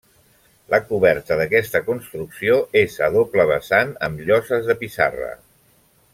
La coberta d'aquesta construcció és a doble vessant amb lloses de pissarra.